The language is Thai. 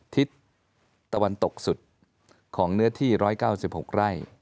ทิศตะวันตกสุดของเนื้อที่๑๙๖ไร่